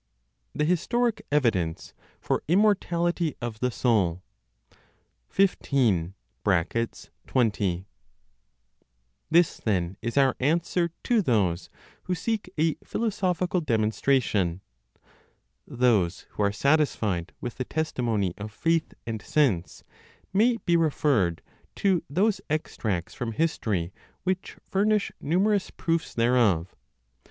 THE HISTORIC EVIDENCE FOR IMMORTALITY OF THE SOUL. 15. (20). This, then, is our answer to those who seek a philosophical demonstration. Those who are satisfied with the testimony of faith and sense, may be referred to those extracts from history which furnish numerous proofs thereof.